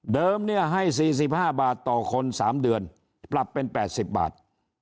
เดิมเนี่ยให้๔๕บาทต่อคน๓เดือนปรับเป็น๘๐บาท